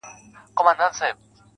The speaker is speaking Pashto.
• د خپل ښايسته خيال پر زرينه پاڼه.